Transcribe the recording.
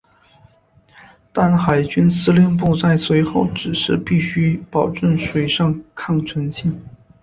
但海军司令部在随后指示必须保证水上抗沉性。